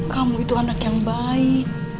kamu itu anak yang baik